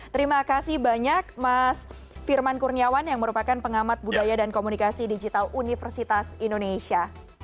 terima kasih banyak mas firman kurniawan yang merupakan pengamat budaya dan komunikasi digital universitas indonesia